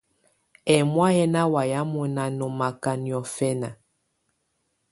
Ɛmɔ̀á yɛ́ ná wáyɛ̀á mɔ́na nɔ́maká niɔ̀fɛna.